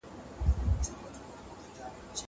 دا ږغ له هغه ښه دی!